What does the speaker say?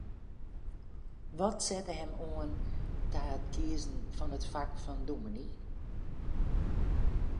Wat sette him oan ta it kiezen fan it fak fan dûmny?